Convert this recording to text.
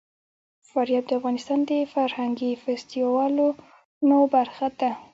فاریاب د افغانستان د فرهنګي فستیوالونو برخه ده.